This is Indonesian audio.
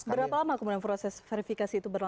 berapa lama kemudian proses verifikasi itu berlangsung